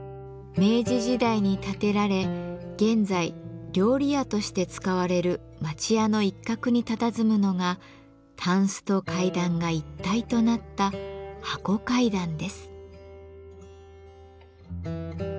明治時代に建てられ現在料理屋として使われる町家の一角にたたずむのがたんすと階段が一体となった「箱階段」です。